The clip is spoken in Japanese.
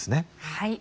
はい。